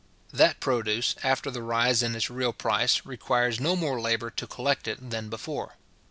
That produce, after the rise in its real price, requires no more labour to collect it than before.